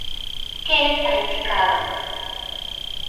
Keita Ichikawa